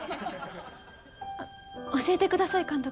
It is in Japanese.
教えてください監督。